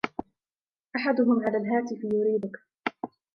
أحدهم على الهاتف يريدك.